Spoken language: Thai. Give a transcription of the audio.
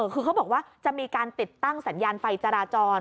คือเขาบอกว่าจะมีการติดตั้งสัญญาณไฟจราจร